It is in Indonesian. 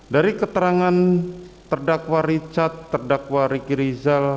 dari keterangan terdakwa richard terdakwa riki rizal